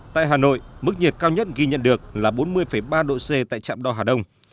tại hà nội mức nhiệt cao nhất ghi nhận được là bốn mươi ba độ c tại trạm đo hà đông